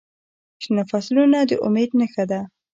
شنه فصلونه د امید نښه ده.